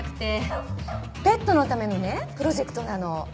ペットのためのねプロジェクトなの。